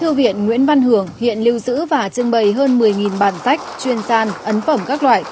thư viện nguyễn văn hưởng hiện lưu giữ và trưng bày hơn một mươi bản sách chuyên gian ấn phẩm các loại